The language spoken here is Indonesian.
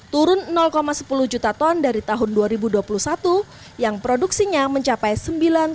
turun sepuluh juta ton dari tahun dua ribu dua puluh satu yang produksinya mencapai sembilan dua belas juta ton